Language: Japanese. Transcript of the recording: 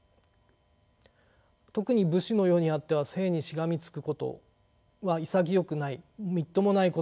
特に武士の世にあっては生にしがみつくことは潔くないみっともないことだとされていました。